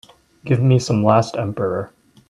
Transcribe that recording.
give me some Last Emperor